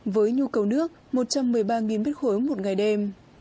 với nhu cầu nước một trăm một mươi ba m ba một ngày đêm